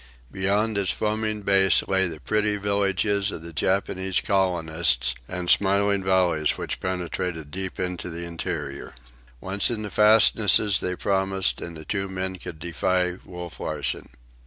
Beyond its foaming base lay the pretty villages of the Japanese colonists and smiling valleys which penetrated deep into the interior. Once in the fastnesses they promised, and the two men could defy Wolf Larsen.